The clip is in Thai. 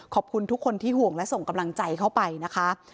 ขอบคุณทุกคนที่ห่วงและส่งกำลังใจเข้าไปนะคะ